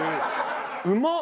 うまっ！